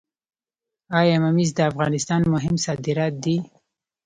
آیا ممیز د افغانستان مهم صادرات دي؟